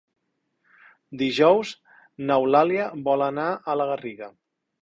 Dijous n'Eulàlia vol anar a la Garriga.